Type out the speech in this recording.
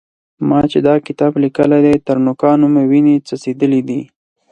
ما چې دا کتاب لیکلی دی؛ تر نوکانو مې وينې څڅېدلې دي.